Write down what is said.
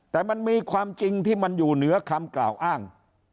แต่มันมีความจริงที่มันอยู่เหนือคำกล่าวอ้าง